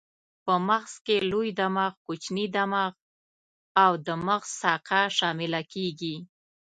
په مغز کې لوی دماغ، کوچنی دماغ او د مغز ساقه شامله کېږي.